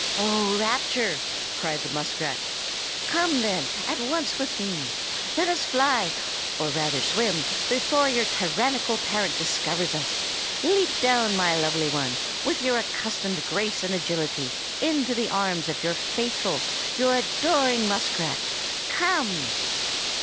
"Oh, rapture!" cried the muskrat. "Come, then, at once with me! Let us fly, or rather swim, before your tyrannical parent discovers us! Leap down, my lovely one, with your accustomed grace and agility, into the arms of your faithful, your adoring muskrat! Come!"